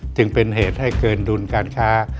จึงเป็นเหตุให้เกินดุลการค้า